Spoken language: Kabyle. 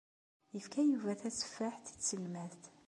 Yefka Yuba tatteffaḥt i tselmadt.